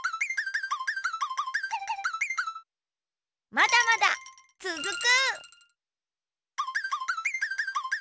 まだまだつづく！